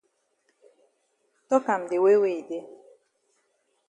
Tok am de way wey e dey.